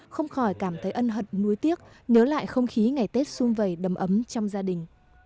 không khỏi cảm thấy ân hận núi tiếc nhớ lại không khí ngày tết xung vầy đầm ấm trong gia đình